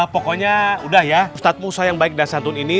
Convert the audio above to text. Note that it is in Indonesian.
pokoknya udah ya ustadz musa yang baik dan santun ini